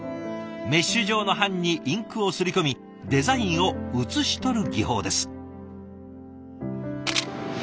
メッシュ状の版にインクを刷り込みデザインを写し取る技法です。